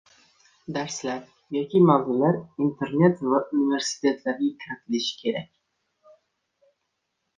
Darslar yoki mavzular Internet va universitetlarga kiritilishi kerak.